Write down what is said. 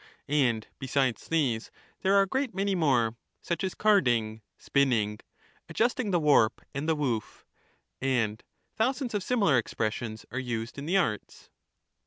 And besides these there are a great many more, such as carding, spinning, adjusting the warp and the woof; and thousands of similar expressions are used in the arts.